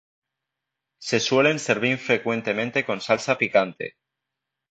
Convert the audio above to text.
Se suelen servir frecuentemente con salsa picante.